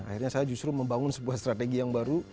akhirnya saya justru membangun sebuah strategi yang baru